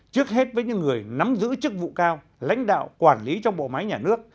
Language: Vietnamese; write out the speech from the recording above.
trước hết với những người nắm giữ chức vụ cao lãnh đạo quản lý trong bộ máy nhà nước